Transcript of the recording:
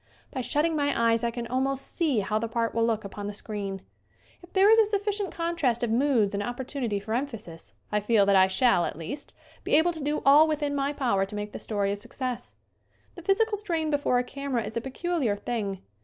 By shutting my eyes I can almost see how the part will look upon the screen. If there is a sufficient contrast of moods and opportunity for emphasis I feel that I shall, at least, be able to do all within my power to make the story a success. The physical strain before a camera is a pe culiar thing.